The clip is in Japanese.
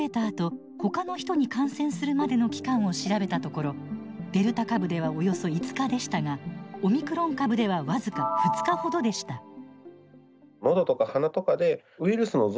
あとほかの人に感染するまでの期間を調べたところデルタ株ではおよそ５日でしたがオミクロン株では僅か２日ほどでした。